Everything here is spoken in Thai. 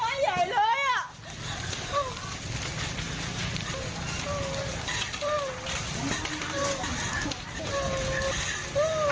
เฮ้ยไหม้ใหญ่เลยหลังข้าวนั่งไหม้ใหญ่เลยอ่ะ